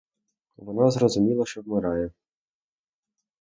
Вона зрозуміла, що вмирає.